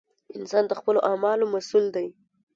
انسان د خپلو اعمالو مسؤول دی!